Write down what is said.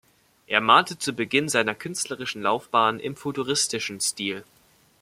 Er malte zu Beginn seiner künstlerischen Laufbahn im futuristischen Stil.